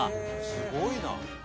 「すごいな！」